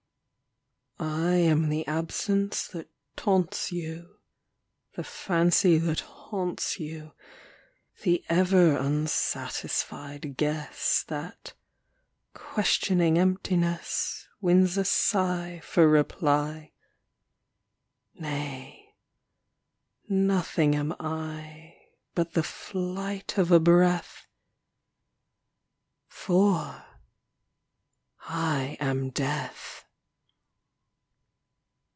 I am the absence that taunts you, The fancy that haunts you; The ever unsatisfied guess That, questioning emptiness, Wins a sigh for reply. Nay; nothing am I, But the flight of a breath For I am Death!